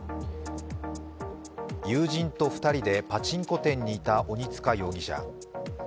友人と２人でパチンコ店にいた鬼束容疑者。